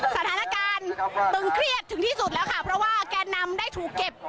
สถานการณ์ตึงเครียดถึงที่สุดแล้วค่ะเพราะว่าแกนนำได้ถูกเก็บ